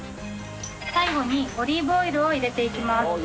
最後にオリーブオイルを入れていきます。